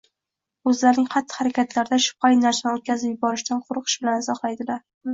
o‘zlarining xatti-harakatlarida shubhali narsani o‘tkazib yuborishdan qo‘rqish bilan izohlaydilar.